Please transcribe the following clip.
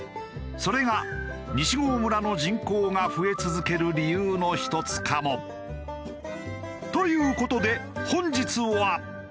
それが西郷村の人口が増え続ける理由の一つかも。という事で本日は。